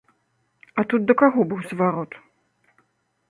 А тут да каго быў зварот?